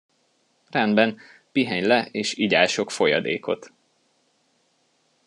Rendben, pihenj le és igyál sok folyadékot.